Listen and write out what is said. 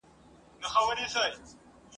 چي څوک د چا زوی دی